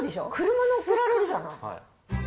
車も載せられるじゃない？